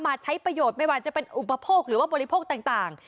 ใช้ประโยชน์ไม่ว่าจะเป็นอุปโภคหรือว่าบริโภคต่าง